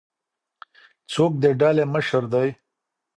څوک د ډلي مشر دی؟